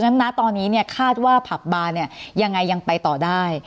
ฉะนั้นนะตอนนี้เนี่ยคาดว่าผับบาร์เนี่ยยังไงยังไปต่อได้